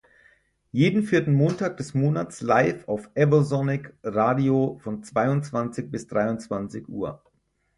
Jeden vierten Montag des Monats live auf Evosonic Radio von zweiundzwanzig bis dreiundzwanzig Uhr.